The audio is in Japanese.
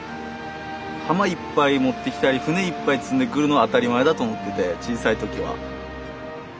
浜いっぱい持ってきたり船いっぱい積んでくるのは当たり前だと思ってて小さい時は。